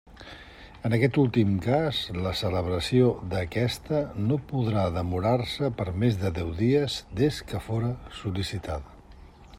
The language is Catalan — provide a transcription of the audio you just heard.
En aquest últim cas, la celebració d'aquesta no podrà demorar-se per més de deu dies des que fóra sol·licitada.